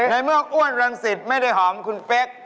ในเมื่ออ้วนรังสิตไม่ได้หอมคุณเป๊ก